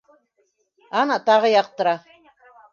Ана тағы яҡтыра.